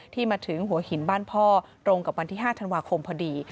ที่มาถึงหัวหินบ้านพ่อตรงกับวันที่๕ธันวาคมพอดี